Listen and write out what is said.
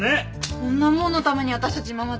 こんなもんのために私たち今まで。